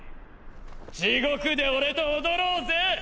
地獄で俺と踊ろうぜ！